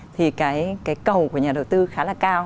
thì cái cầu của nhà đầu tư khá là cao